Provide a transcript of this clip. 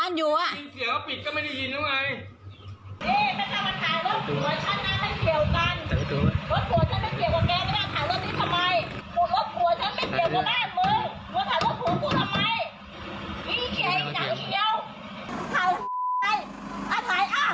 มีเสียว่าปิดก็ไม่ได้ยินตัวไง